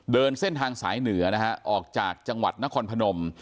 เดินเส้นทางสายเหนือนะฮะออกจากจังหวัดนครพนม